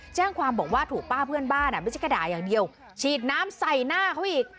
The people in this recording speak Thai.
แจ้งความบอกว่าถูกป้าเพื่อนบ้านไม่ใช่กระด่าอย่างเดียวฉีดน้ำใส่หน้าเขาอีก